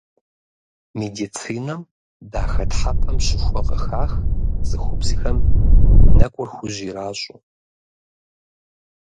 Медицинэм дахэтхьэпэм щыхуэ къыхах цӏыхубзхэм нэкӏур хужь иращӏыу.